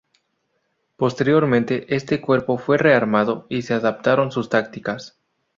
Posteriormente este cuerpo fue rearmado y se adaptaron sus tácticas.